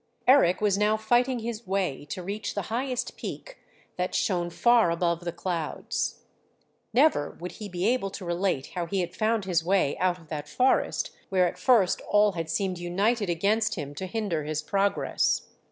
Eric was now fighting his way to reach the highest peak that shone far above the clouds. Never would he be able to relate how he had found his way out of that forest where at first all had seemed united against him to hinder his progress.